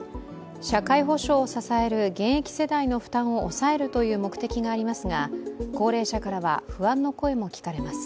社会保障を支える現役世代の負担を抑えるという目的がありますが高齢者からは不安の声も聞かれます。